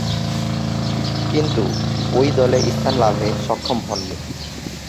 কিন্তু, ঐ দলে স্থান লাভে সক্ষম হননি।